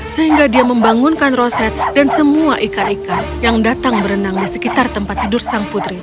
sehingga dia membangunkan roset dan semua ikan ikan yang datang berenang di sekitar tempat tidur sang putri